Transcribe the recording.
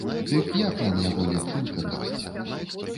Дык як нам яго лепш выкарыстаць?